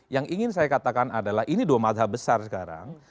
yang ingin saya katakan adalah ini dua madha besar sekarang